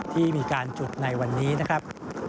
ที่มีการจุดในวันนี้นะครับ